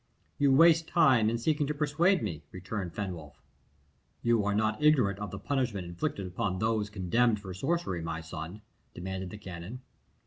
"You waste time in seeking to persuade me," returned Fenwolf. "You are not ignorant of the punishment inflicted upon those condemned for sorcery, my son?" demanded the canon.